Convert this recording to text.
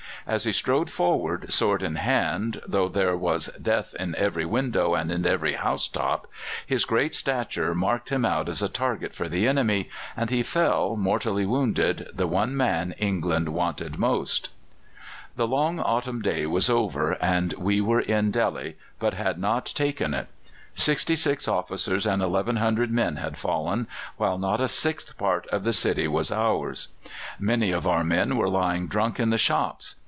As he strode forward, sword in hand, though there was death in every window and on every house top, his great stature marked him out as a target for the enemy, and he fell, mortally wounded, the one man England wanted most. The long autumn day was over, and we were in Delhi, but had not taken it. Sixty six officers and 1,100 men had fallen, while not a sixth part of the city was ours. Many of our men were lying drunk in the shops.